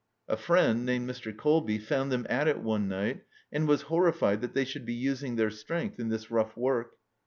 A friend, named Mr. Colby, found them at it one night, and was horrified that they should be using their strength in this rough work.